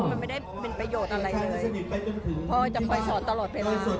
มันไม่ได้เป็นประโยชน์อะไรเลยพ่อจะคอยสอนตลอดเวลา